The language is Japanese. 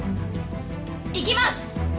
いきます！